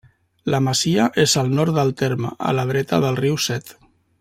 La masia és al nord del terme, a la dreta del riu Set.